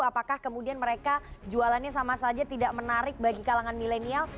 apakah kemudian mereka jualannya sama saja tidak menarik bagi kalangan milenial